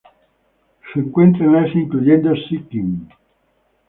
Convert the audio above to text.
Se encuentra en Asia, incluyendo Sikkim.